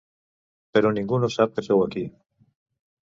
Però ningú no sap que sou aquí.